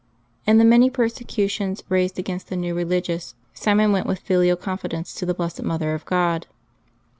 In the many persecutions raised against the new religious, Simon went with filial confidence to the Blessed Mother of God.